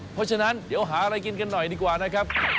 เพราะฉะนั้นเดี๋ยวหาอะไรกินกันหน่อยดีกว่านะครับ